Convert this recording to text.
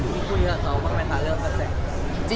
พี่คุยกับน้องว่าทำไมถ้าเริ่มก็เสร็จ